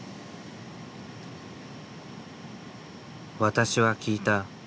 私は聞いた。